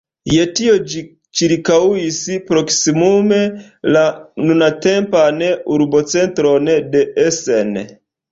Je tio ĝi ĉirkaŭis proksimume la nuntempan urbocentron de Essen.